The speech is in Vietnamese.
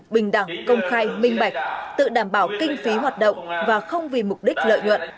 bình đẳng công khai minh bạch tự đảm bảo kinh phí hoạt động và không vì mục đích lợi nhuận